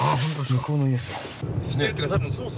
向こうの家です。